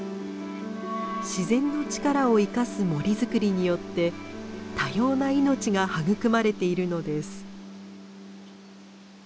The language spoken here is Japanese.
自然の力を生かす森作りによって多様な命が育まれているのです。